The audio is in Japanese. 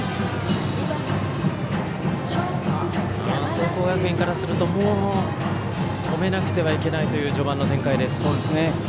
聖光学院からするともう止めなくてはいけないという序盤の展開です。